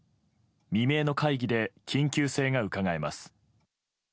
未明の会議で緊急性がうかがえます。